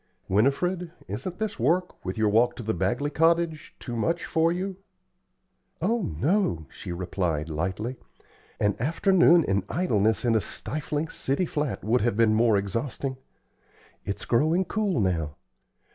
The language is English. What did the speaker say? "Winifred, isn't this work, with your walk to the Bagley cottage, too much for you?" "Oh, no," she replied, lightly. "An afternoon in idleness in a stifling city flat would have been more exhausting. It's growing cool now.